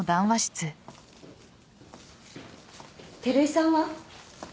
照井さんは？